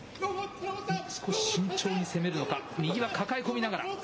少し慎重に攻めるのか、右は抱え込みながら。